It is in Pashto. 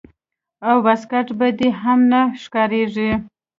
او واسکټ به دې هم نه ښکارېږي.